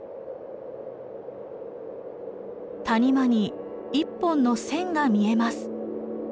谷間に一本の線が見えます。